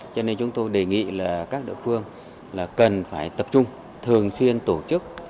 cho nên chúng tôi đề nghị các địa phương cần phải tập trung thường xuyên tổ chức